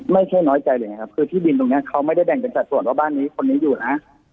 ไม่ใช่น้อยใจเลยนะครับคือที่ดินตรงนี้เขาไม่ได้แบ่งเป็นสัดส่วนว่าบ้านนี้คนนี้อยู่นะ